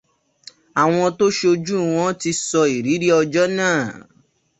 Àwọn tó ṣojú wọn ti sọ ìrírí ọjọ́ náà.